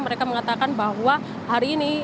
mereka mengatakan bahwa hari ini